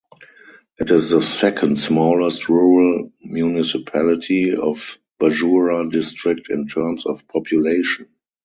It is the second smallest rural municipality of Bajura district in terms of population.